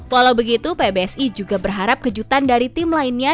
walau begitu pbsi juga berharap kejutan dari tim lainnya